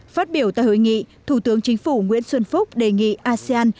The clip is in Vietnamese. phát biểu tại hội nghị thủ tướng chính phủ nguyễn xuân phúc đề nghị asean